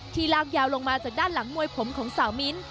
ลากยาวลงมาจากด้านหลังมวยผมของสาวมิ้น